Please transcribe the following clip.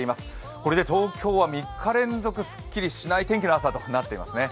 これで東京は３日連続すっきりしない天気となっています。